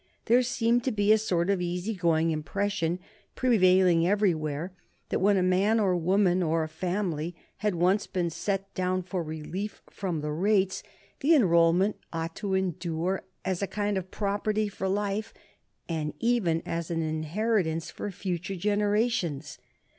There seemed to be a sort of easy going impression prevailing everywhere that when a man or a woman or a family had once been set down for relief from the rates the enrolment ought to endure as a kind of property for life, and even as an inheritance for future generations.